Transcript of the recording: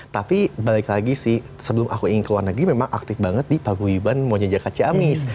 tapi balik lagi sih sebelum aku ingin keluar negeri memang aktif banget di paguyiban monyajaka ciamis